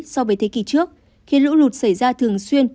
so với thế kỷ trước khi lũ lụt xảy ra thường xuyên